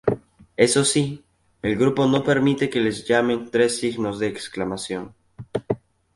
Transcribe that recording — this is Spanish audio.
Eso sí, el grupo no permite que les llamen "Tres signos de exclamación".